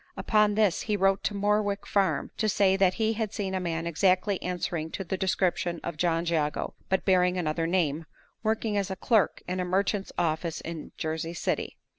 Upon this he wrote to Morwick Farm to say that he had seen a man exactly answering to the description of John Jago, but bearing another name, working as a clerk in a merchant's office in Jersey City.